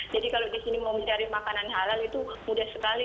jadi kalau di sini mau mencari makanan halal itu mudah sekali